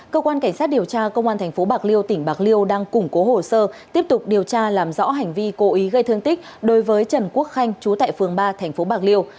cơ quan cảnh sát điều tra công an tp bạc liêu tỉnh bạc liêu đang củng cố hồ sơ tiếp tục điều tra làm rõ hành vi cố ý gây thương tích đối với trần quốc khanh chú tại phường ba tp bạc liêu